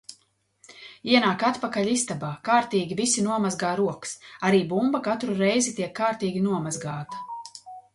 Ienāk atpakaļ istabā, kārtīgi visi nomazgā rokas. Arī bumba katru reizi tiek kārtīgi nomazgāta.